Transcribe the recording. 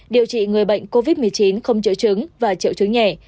điều trị người bệnh covid một mươi chín không triệu chứng và triệu chứng nhẹ